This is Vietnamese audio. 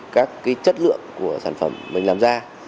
các cái chất lượng của sản phẩm mình làm ra